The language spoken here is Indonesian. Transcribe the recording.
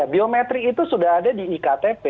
biometrik itu sudah ada di iktp